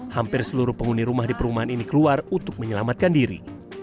hampir seluruh penghuni rumah di perumahan ini keluar untuk menyelamatkan diri